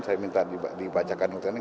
saya minta dibacakan nukter lainnya